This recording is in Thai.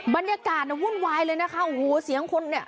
บรรยากาศน่ะวุ่นวายเลยนะคะโอ้โหเสียงคนเนี่ย